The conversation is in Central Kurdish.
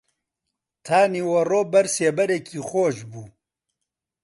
تا نیوەڕۆ بەر سێبەرێکی خۆش بوو